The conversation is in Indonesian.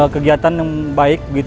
kegiatan yang baik